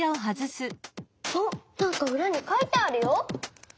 あっなんかうらに書いてあるよ。